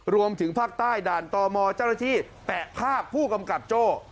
รวมถึงภาคใต้ด่านต่อมจรฐิแปะภาพผู้กำกัดโจ้